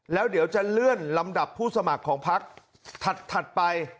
แล้วเดี๋ยวจะเลื่อนลำดับผู้สมัครของพักถัดไป